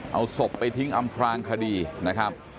เอาศพไปทิ้งอำพลางคดีนะครับ